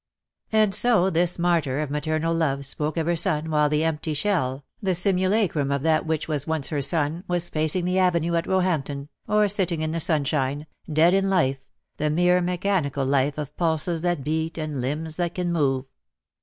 And so this martyr of maternal love spoke of her son while the empty shell, the simulacrum of that which was once her son, was pacing the avenue at Roehampton, or sitting in the sunshine, dead in life, the mere mechanical life of pulses that beat and limbs that can move.